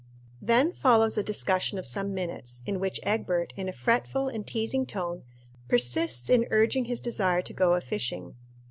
Then follows a discussion of some minutes, in which Egbert, in a fretful and teasing tone, persists in urging his desire to go a fishing.